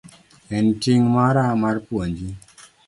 En ting' mara mar puonji.